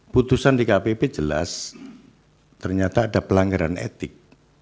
putusan dkpp jelas ternyata ada pelanggaran etik